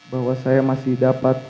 bahwa saya masih dapat